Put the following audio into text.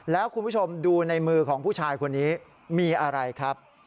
แล้วคุณผู้ชมดูในมือของผู้ชายคนนี้มีอะไรครับ